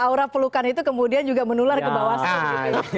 aura pelukan itu kemudian juga menular ke bawaslu